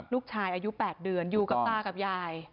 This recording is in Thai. ลูกชายอายุ๘เดือนอยู่กับตากับยาย